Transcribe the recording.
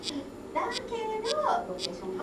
Jack Good was the original producer.